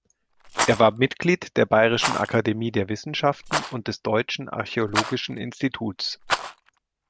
Er war Mitglied der Bayerischen Akademie der Wissenschaften und des Deutschen Archäologischen Instituts.